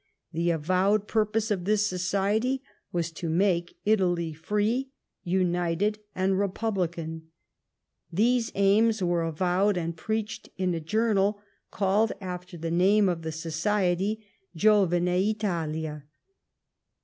The avowed purpose of this society was to make Italy free, united, and republican. These aims were avowed and preached in a journal called after the name of the society, " Giovine Italia."